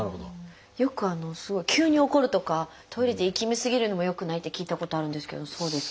よくすごい急に怒るとかトイレでいきみ過ぎるのもよくないって聞いたことあるんですけどそうですか？